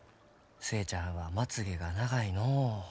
寿恵ちゃんはまつげが長いのう。